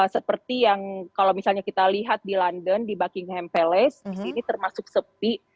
seperti yang kalau misalnya kita lihat di london di buckingham palace di sini termasuk sepi